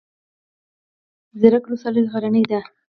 زیروک ولسوالۍ غرنۍ ده؟